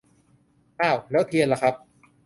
เอ้า ! แล้วเทียนล่ะครับ !